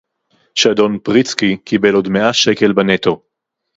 שאדון פריצקי קיבל עוד מאה שקל בנטו